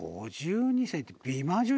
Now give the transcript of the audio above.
５２歳って。